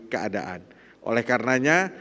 keadaan oleh karenanya